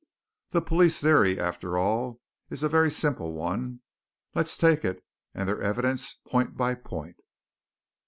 The police theory, after all, is a very simple one let's take it and their evidence point by point.